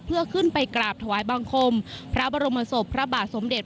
เพื่อขึ้นไปกราบถวายบังคมพระบรมศพพระบาทสมเด็จ